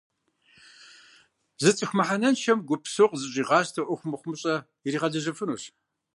Зы цӏыху мыхьэнэншэм гуп псо къызэщӀигъэсту, Ӏуэху мыхъумыщӀэ иригъэлэжьыфынущ.